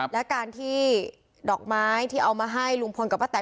และการที่ดอกไม้ที่เอามาให้ลุงพลกับป้าแตน